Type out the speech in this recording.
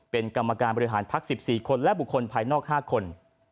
เป็นกรรมการบริหารพัก๑๔คนและบุคคลภายนอก๕คน